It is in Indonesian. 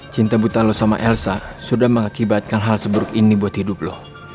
cinta buta lo sama elsa sudah mengakibatkan hal seburuk ini buat hidup lo